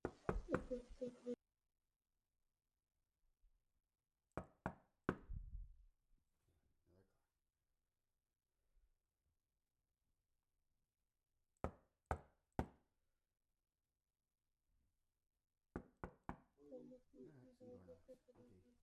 এখানে বাইরের কুকুর আনা নিষেধ, বাবা।